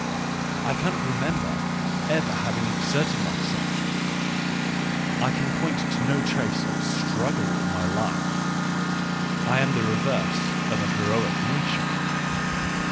I cannot remember ever having exerted myself, I can point to no trace of struggle in my life ; I am the reverse of a heroic nature.